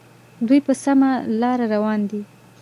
دوی په سمه لار روان دي.